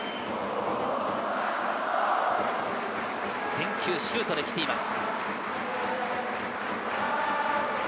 全球、シュートできています。